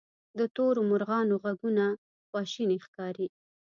د تورو مرغانو ږغونه خواشیني ښکاري.